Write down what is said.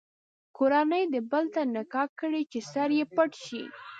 کورنۍ دې بل ته نکاح کړي چې سر یې پټ شي.